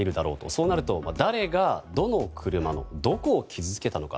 そうなると、誰がどの車の、どこを傷つけたのか。